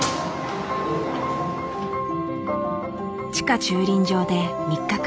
地下駐輪場で３日間。